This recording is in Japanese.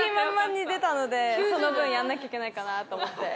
その分やんなきゃいけないかなと思って。